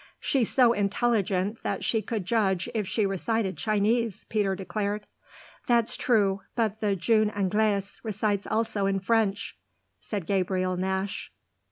"She's so intelligent that she could judge if she recited Chinese," Peter declared. "That's true, but the jeune Anglaise recites also in French," said Gabriel Nash.